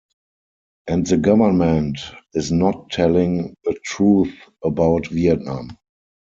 And the government is not telling the truth about Vietnam.